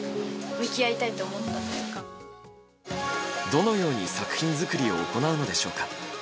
どのように作品作りを行うのでしょうか？